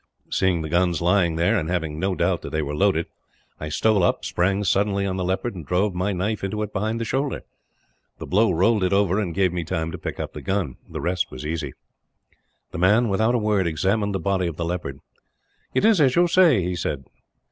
Seeing the guns lying there and having no doubt that they were loaded I stole up, sprang suddenly on the leopard, and drove my knife into it behind the shoulder. The blow rolled it over, and gave me time to pick up the gun. The rest was easy." The man, without a word, examined the body of the leopard. "It is as you say," he said.